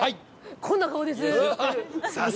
こんな顔です。